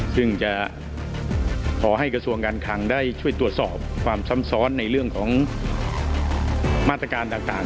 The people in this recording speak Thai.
ซึ่งจะขอให้กระทรวงการคังได้ช่วยตรวจสอบความซ้ำซ้อนในเรื่องของมาตรการต่าง